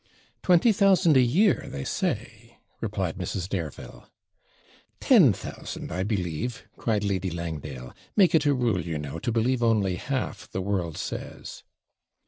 'Twenty thousand a year, they say,' replied Mrs. Dareville. 'Ten thousand, I believe,' cried Lady Langdale. 'Make it a rule, you know, to believe only half the world says.'